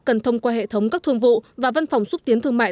cần thông qua hệ thống các thương vụ và văn phòng xúc tiến thương mại